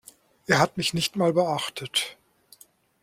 Er hat mich nicht mal beachtet.